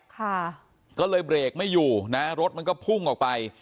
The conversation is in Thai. ค่ะก็เลยเบรกไม่อยู่นะรถมันก็พุ่งออกไป